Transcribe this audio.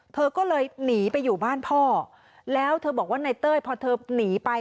เธอก็เลยหนีไปอยู่บ้านพ่อแล้วเธอบอกว่าในเต้ยพอเธอหนีไป